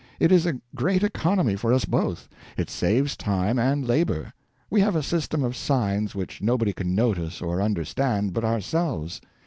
It is a great economy for us both; it saves time and labor. We have a system of signs which nobody can notice or understand but ourselves.